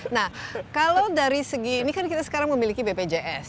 nah kalau dari segi ini kan kita sekarang memiliki bpjs